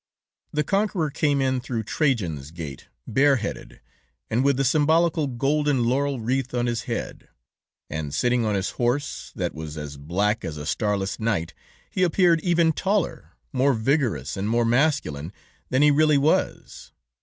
"The conqueror came in through Trajan's gate, bare headed, and with the symbolical golden laurel wreath on his head; and sitting on his horse, that was as black as a starless night, he appeared even taller, more vigorous and more masculine than he really was.